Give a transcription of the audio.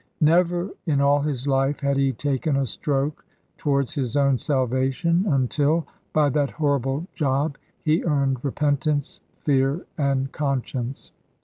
Never in all his life had he taken a stroke towards his own salvation, until by that horrible job he earned repentance, fear, and conscience.